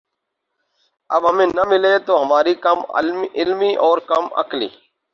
اب ہمیں نہ ملے تو ہماری کم علمی اور کم عقلی